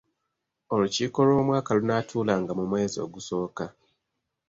Olukiiko lw'Omwaka lunaatuulanga mu mwezi ogusooka.